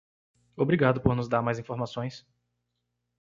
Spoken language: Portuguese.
Obrigado por nos dar mais informações.